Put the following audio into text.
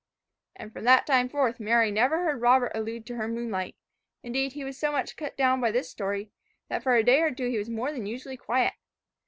And from that time forth Mary never heard Robert allude to her moonlight; indeed he was so much cut down by this story, that for a day or two he was more than usually quiet.